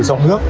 từ trong nước